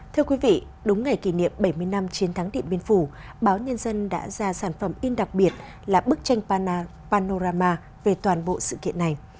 thưa quý vị đúng ngày kỷ niệm bảy mươi năm chiến thắng điện biên phủ báo nhân dân đã ra sản phẩm in đặc biệt là bức tranh panorama về toàn bộ sự kiện này